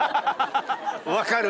分かる！